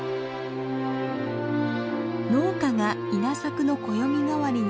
農家が稲作の暦代わりにするサクラ。